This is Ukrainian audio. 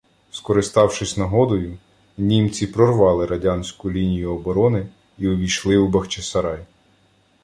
Скориставшись нагодою, німці прорвали радянську лінію оборони і увійшли у Бахчисарай.